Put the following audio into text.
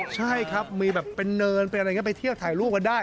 ใช่ครับมีแบบเป็นเนินเป็นอะไรอย่างนี้ไปเที่ยวถ่ายรูปกันได้